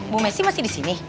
bu messi masih disini